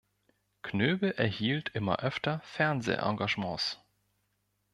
Knöbel erhielt immer öfter Fernseh-Engagements.